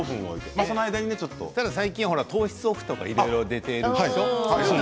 最近、糖質オフとかいろいろ出ているでしょ？